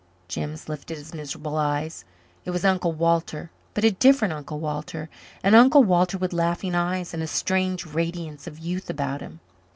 Jims lifted his miserable eyes. It was Uncle Walter but a different Uncle Walter an Uncle Walter with laughing eyes and a strange radiance of youth about him.